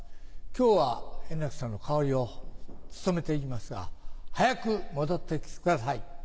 今日は円楽さんの代わりを務めて行きますが早く戻って来てください。